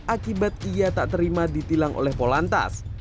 akibat ia tak terima ditilang oleh polantas